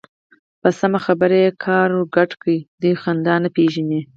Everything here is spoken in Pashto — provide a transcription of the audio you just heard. په سمه خبره کې يې کاوړ ګډ دی. دوی خندا نه پېژني.